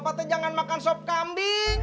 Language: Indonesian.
bapak itu jangan makan sop kambing